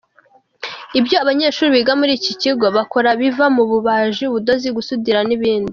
Ibyo abanyeshuri biga muri iki kigo bakora biva mu bubaji, ubudozi, gusudira n’ibindi.